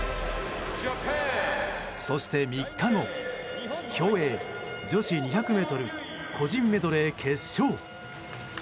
そして３日後、競泳女子２００ｍ個人メドレー決勝。